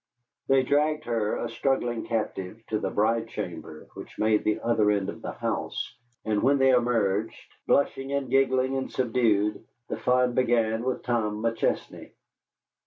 They dragged her, a struggling captive, to the bride chamber which made the other end of the house, and when they emerged, blushing and giggling and subdued, the fun began with Tom McChesney.